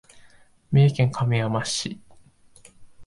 三重県亀山市